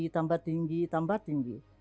tambah tinggi tambah tinggi